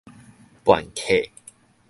叛客